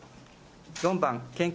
４番、研究